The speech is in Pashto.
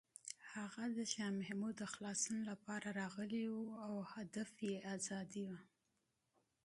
هغه د شاه محمود د خلاصون لپاره راغلی و او هدف یې ازادي وه.